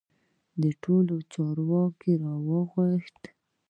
ټول چارواکي را وغوښتل.